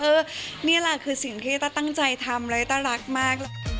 เออนี่แหละคือสิ่งที่ริต้าตั้งใจทำเลยริต้ารักมาก